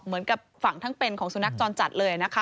เหมือนกับฝั่งทั้งเป็นของสุนัขจรจัดเลยนะคะ